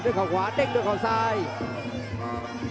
โอ้โหไม่พลาดกับธนาคมโด้แดงเขาสร้างแบบนี้